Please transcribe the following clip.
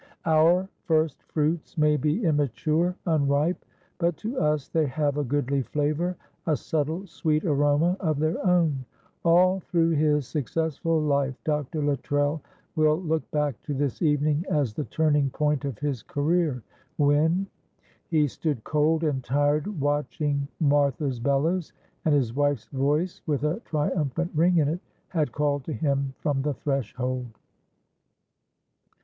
Our first fruits may be immature, unripe, but to us they have a goodly flavour, a subtle, sweet aroma of their own. All through his successful life Dr. Luttrell will look back to this evening as the turning point of his career, when; he stood cold and tired watching Martha's bellows, and his wife's voice with a triumphant ring in it had called to him from the threshold.